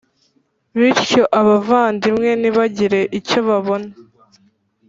bityo abavandimwe ntibagire icyo babona.